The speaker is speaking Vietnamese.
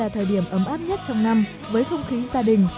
là thời điểm ấm áp nhất trong năm với không khí gia đình